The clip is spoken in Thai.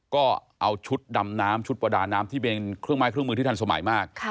ก็เอาชุดดำน้ำชุดประดาน้ำที่เป็นเครื่องไม้เครื่องมือที่ทันสมัยมาก